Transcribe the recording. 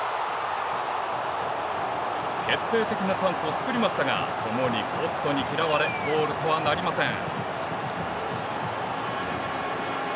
決定的なチャンスを作りましたが共にポストに嫌われゴールとはなりません。